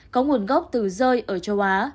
có nguồn gốc từ rơi ở châu á